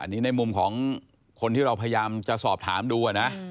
อันนี้ในมุมของคนที่เราพยายามจะสอบถามดูนะ